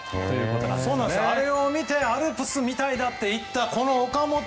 あれを見てアルプスみたいだと言った。